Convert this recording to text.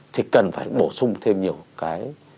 thì cần phải bổ sung thêm nhiều cái